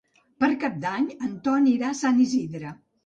Per Cap d'Any en Ton irà a Sant Isidre.